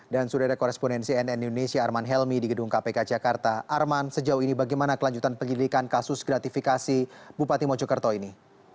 dan sudah ada koresponensi nn indonesia arman helmi di gedung kpk jakarta arman sejauh ini bagaimana kelanjutan penyelidikan kasus gratifikasi bupati mojokerto ini